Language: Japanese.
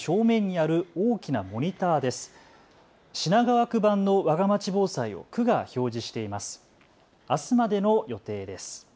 あすまでの予定です。